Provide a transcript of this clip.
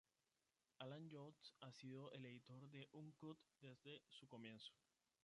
Allan Jones ha sido el editor de Uncut desde su comienzo.